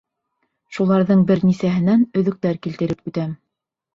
Шуларҙың бер нисәһенән өҙөктәр килтереп үтәм.